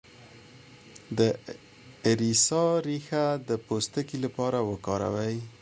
د اریسا ریښه د پوستکي لپاره وکاروئ